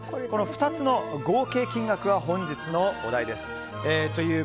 この２つの合計金額が本日のお題です。